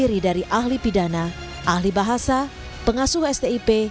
terdiri dari ahli pidana ahli bahasa pengasuh stip